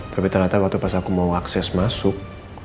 tapi ternyata waktu pas aku mau akses masuk